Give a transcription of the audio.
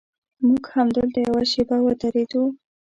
موږ همدلته یوه شېبه ودرېدو.